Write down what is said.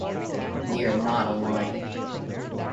They are not online.